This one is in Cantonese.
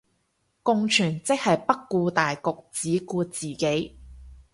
共存即係不顧大局只顧自己